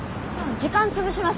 時間潰します